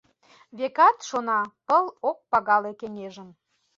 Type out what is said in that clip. Векат, шона, пыл ок пагале кеҥежым.